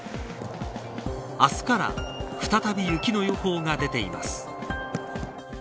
明日から再び雪の予報が出ています。